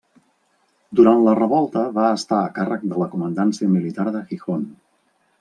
Durant la revolta va estar a càrrec de la comandància militar de Gijón.